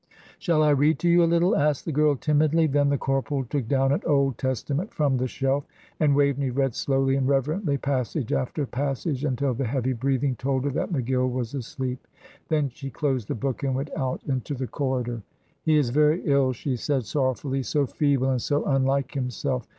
"Shall I read to you a little?" asked the girl, timidly. Then the corporal took down an old brown Testament from the shelf, and Waveney read slowly and reverently, passage after passage, until the heavy breathing told her that McGill was asleep. Then she closed the book and went out into the corridor. "He is very ill," she said, sorrowfully; "so feeble and so unlike himself."